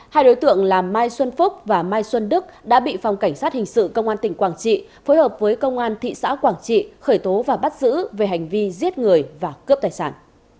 hai đối tượng là mai xuân phúc và mai xuân đức đã bị phòng cảnh sát hình sự công an tỉnh quảng trị phối hợp với công an thị xã quảng trị khởi tố và bắt giữ về hành vi giết người và cướp tài sản